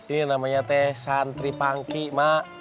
ini namanya teh santri pangki mak